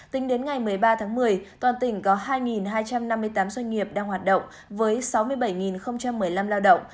tính đến ngày một mươi ba tháng một mươi toàn tỉnh có hai hai trăm năm mươi tám doanh nghiệp đang hoạt động với sáu mươi bảy một mươi năm lao động